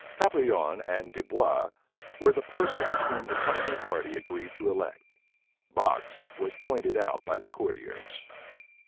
Papillon and Dubois were the persons whom the country party agreed to elect: Box was pointed out by the courtiers.